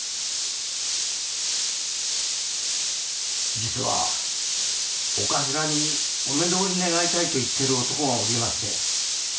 実はお頭にお目通り願いたいと言っている男がおりまして。